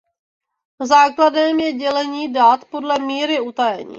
Základem je dělení dat podle míry utajení.